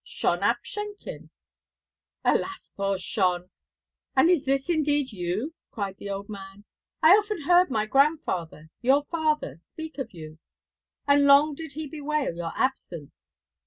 'Shon ap Shenkin.' 'Alas, poor Shon, and is this indeed you!' cried the old man. 'I often heard my grandfather, your father, speak of you, and long did he bewail your absence.